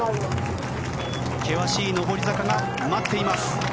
険しい上り坂が待っています。